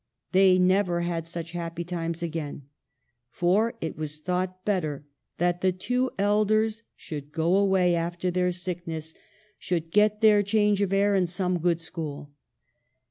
They never had such happy times again, for it was thought better that the two elders should go away after their sickness ; should BABYHOOD. 37 get their change of air at some good school.